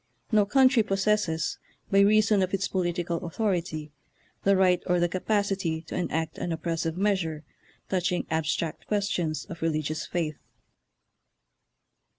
No country possesses, by reason of its political au thority, the right or the capacity to enact an oppressive measure touching abstract questions of religious faith."